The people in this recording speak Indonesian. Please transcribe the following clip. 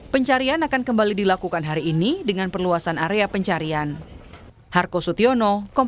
pencarian akan kembali dilakukan hari ini dengan perluasan area pencarian